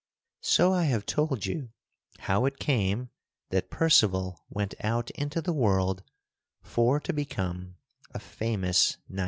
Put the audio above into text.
So I have told you how it came that Percival went out into the world for to become a famous knight.